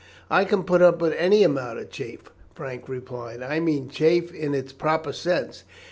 "I can put up with any amount of chaff," Frank replied; "I mean chaff in its proper sense.